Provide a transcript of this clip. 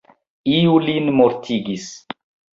Iu lin mortigis!